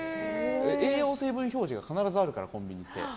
栄養成分表示が必ずあるからコンビニって。